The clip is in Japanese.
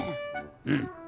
うん。